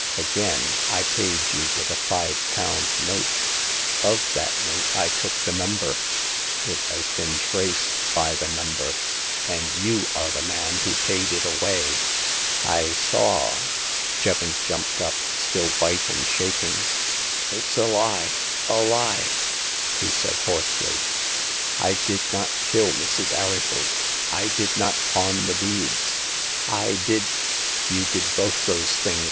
Again, I paid you with a five pound note. Of that note I took the number. It has been traced by the number, and you are the man who paid it away. I saw " It 8o Hagar of the Pawn Shop. Jevons jumped up, still white and shaking. It's a lie ! a lie !he said hoarsely. " I did not kill Mrs. Arryford ; I did not pawn the beads. I did ''" You did both those things